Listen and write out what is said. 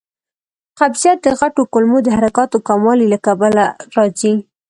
قبضیت د غټو کولمو د حرکاتو کموالي له کبله راځي.